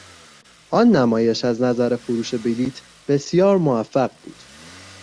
آن نمایش از نظر فروش بلیط بسیار موفق بود.